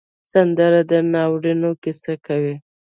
سندره د ناورینونو کیسه کوي